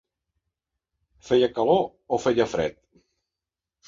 Feia calor o fred?